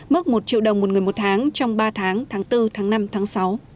mức một triệu đồng một người một tháng trong ba tháng tháng bốn tháng năm tháng sáu